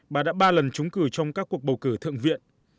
bà đã ba lần trúng cử trong các cuộc bầu cử thượng viện